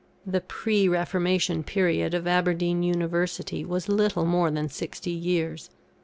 The pre Reformation period of Aberdeen University was little more than sixty years.